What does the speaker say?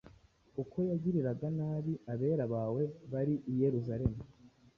uko yagiriraga nabi abera bawe bari i Yerusalemu